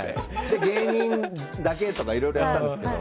芸人だけとかいろいろやったんですけど。